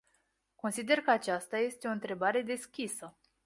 Consider că aceasta este o întrebare deschisă.